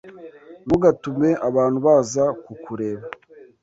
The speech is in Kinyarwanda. ntugatume abantu baza kukureba